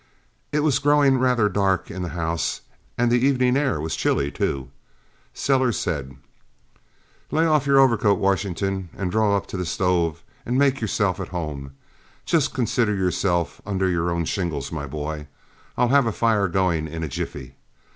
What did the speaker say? It was growing rather dark in the house, and the evening air was chilly, too. Sellers said: "Lay off your overcoat, Washington, and draw up to the stove and make yourself at home just consider yourself under your own shingles my boy I'll have a fire going, in a jiffy.